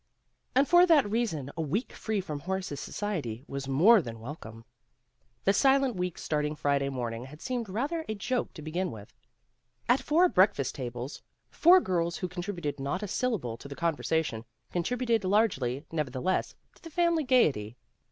And for that reason a week free from Horace's society was more than welcome. The silent week starting Friday morning had seemed rather a joke to begin with. At four breakfast tables, four girls who contributed not a syllable to the conversation, contributed largely, nevertheless to the family gaiety.